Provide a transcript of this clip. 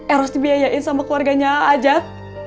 harus dibiayain sama keluarganya ajat